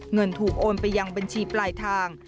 เงินถูกโอนไปยังบัญชีปลายทาง